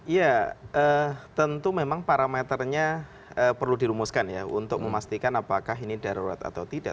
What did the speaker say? ya tentu memang parameternya perlu dirumuskan ya untuk memastikan apakah ini darurat atau tidak